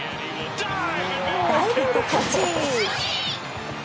ダイビングキャッチ。